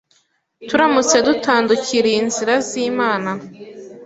turamutse dutandukiriye inzira z’Imana,